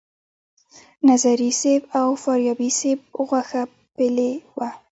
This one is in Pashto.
نظري صیب او فاریابي صیب غوښه پیلې وه.